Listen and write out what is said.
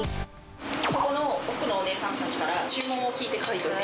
あそこの奥のお姉さんたちから、注文を聞いて書いといて。